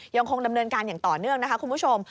ยังคงดำเนินการอย่างต่อเนื่องนะคะคุณผู้ชม